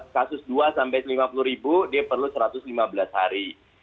kasus dua sampai lima puluh ribu dia perlu satu ratus lima belas hari